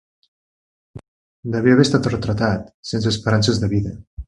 Devia haver estat retratat sense esperances de vida